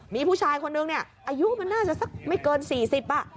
มีผู้ชายคนนึงเนี่ยอายุมันน่าจะสักไม่เกิน๔๐อ่ะ